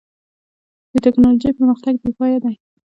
د ټکنالوجۍ پرمختګ بېپای دی.